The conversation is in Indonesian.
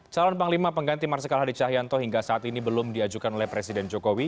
calon panglima pengganti marsikal hadi cahyanto hingga saat ini belum diajukan oleh presiden jokowi